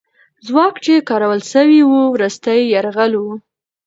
ځواک چې کارول سوی وو، وروستی یرغل وو.